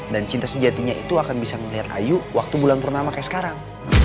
dan cinta sejatinya itu akan bisa melihat ayu waktu bulan purnama kayak sekarang